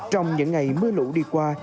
trong những ngày mưa lũ đi qua